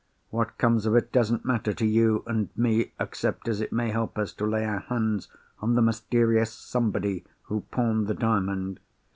What comes of it doesn't matter to you and me except as it may help us to lay our hands on the mysterious Somebody who pawned the Diamond.